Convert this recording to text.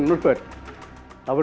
boneka disandarkan pada pohon